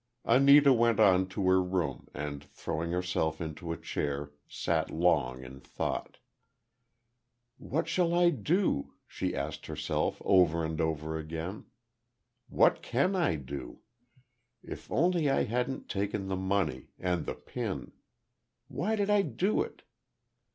Anita went on to her room, and throwing herself into a chair, sat long in thought. "What shall I do?" she asked herself over and over again. "What can I do? If only I hadn't taken the money—and the pin. Why did I do it?